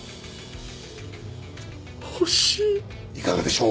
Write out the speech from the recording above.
いかがでしょう？